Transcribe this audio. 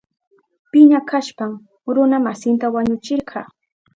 Piña kashpan runa masinta wañuchirka.